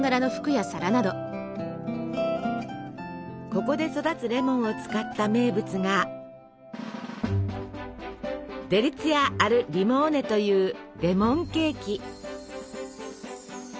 ここで育つレモンを使った名物が「デリツィアアルリモーネ」というレモンケーキ。